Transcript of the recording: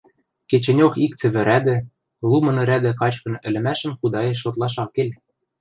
Кечӹньок ик цӹвӹ рӓдӹ, лу мыны рӓдӹ качкын ӹлӹмӓшӹм худаэш шотлаш ак кел...